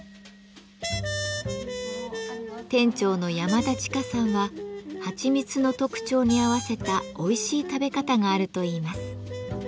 店長の山田千佳さんははちみつの特徴に合わせたおいしい食べ方があるといいます。